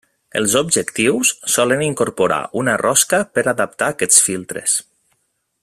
Els objectius solen incorporar una rosca per adaptar aquests filtres.